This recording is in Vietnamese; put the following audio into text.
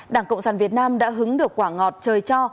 đảng cộng sản việt nam đã hứng được quả ngọt chơi cho